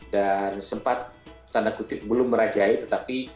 dan sempat tanda kutip belum merajai tetapi